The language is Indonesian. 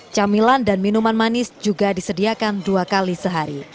camilan dan minuman manis juga disediakan dua kali sehari